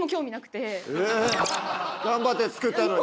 頑張って作ったのに？